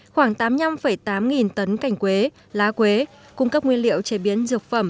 khoảng tám mươi năm tấn cành quế lá quế cung cấp nguyên liệu chế biến dược phẩm